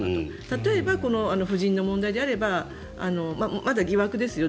例えば夫人の問題であればまだ疑惑ですよ